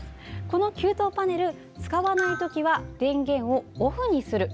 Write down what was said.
この給湯パネル使わないときは電源をオフにする。